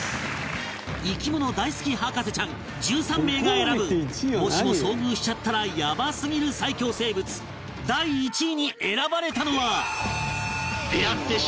生き物大好き博士ちゃん１３名が選ぶもしも遭遇しちゃったらヤバすぎる最恐生物第１位に選ばれたのは